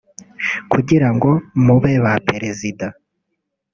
kugira ngo mube ba perezida